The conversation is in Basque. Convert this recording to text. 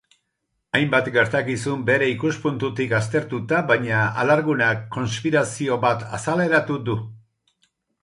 Hainbat gertakizun bere ikuspuntutik aztertuta, baina, alargunak konspirazio bat azaleratuko du.